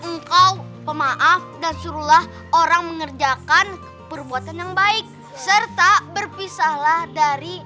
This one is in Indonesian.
engkau pemaaf dan suruhlah orang mengerjakan perbuatan yang baik serta berpisahlah dari